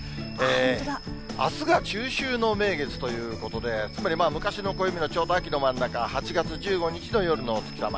あすが中秋の名月ということで、つまり昔の暦の、ちょうど秋の真ん中、８月１５日の夜のお月様。